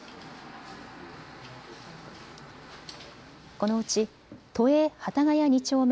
このうち都営幡ヶ谷二丁目